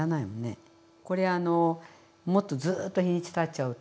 これあのもっとずっと日にちたっちゃうと。